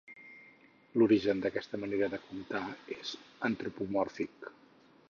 L'origen d'aquesta manera de comptar és antropomòrfic.